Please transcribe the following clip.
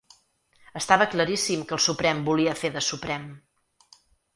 Estava claríssim que el Suprem volia fer de Suprem.